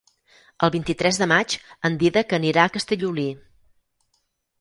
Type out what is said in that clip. El vint-i-tres de maig en Dídac anirà a Castellolí.